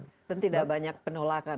dan tidak banyak penolakan ya